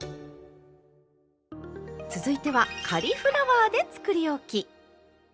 続いてはカリフラワーでつくりおき。